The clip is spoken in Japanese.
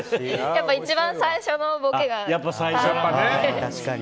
やっぱ、一番最初のボケが。